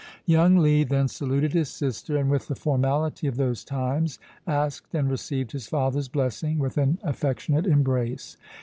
Young Lee then saluted his sister, and, with the formality of those times, asked and received his father's blessing with an affectionate embrace.